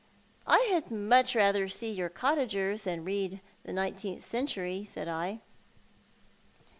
" I had much rather eec your cottagers than read the Nineteenth Century," said I.